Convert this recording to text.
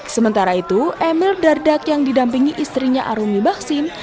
sementara itu emil dardak yang didampingi istrinya arumi baksin